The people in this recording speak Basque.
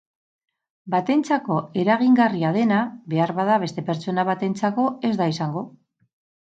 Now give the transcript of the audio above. Batentzako eragingarria dena, beharbada beste pertsona batentzako ez da izango.